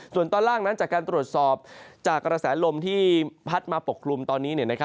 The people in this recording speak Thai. ส่วนตอนล่างนั้นจากการตรวจสอบจากกระแสลมที่พัดมาปกคลุมตอนนี้